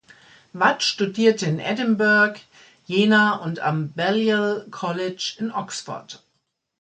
Watt studierte in Edinburgh, Jena und am Balliol College in Oxford.